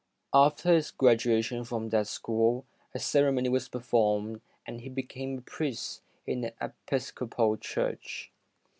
After his graduation from that school, a cere mony was performed and he became a priest in the Episcopal Church.